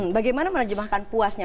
bagaimana menerjemahkan puasnya